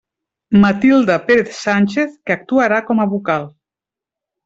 Matilde Pérez Sánchez, que actuarà com a vocal.